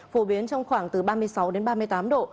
phổ biến trong khoảng từ ba mươi sáu đến ba mươi tám độ